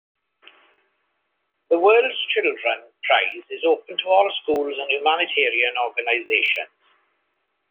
The World's Children's Prize is open to all schools and humanitarian organizations.